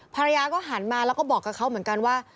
ภรรยาก็หันมาแล้วก็บอกกับเขาเหมือนกันว่า